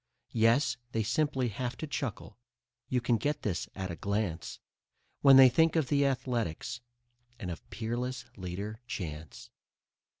Yes, they simply have to chuckle (you can get this at a glance) When they think of the Athletics and of Peerless Leader Chance.